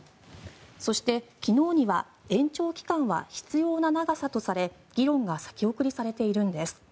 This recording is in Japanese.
そして、昨日には延長期間は必要な長さとされ議論が先送りされているんです。